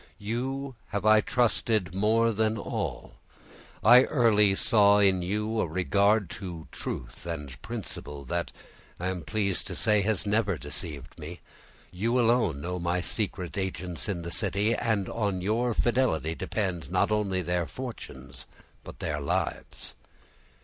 You have I trusted more than all; I early saw in you a regard to truth and principle, that, I am pleased to say, has never deceived me—you alone know my secret agents in the city, and on your fidelity depend, not only their fortunes, but their lives."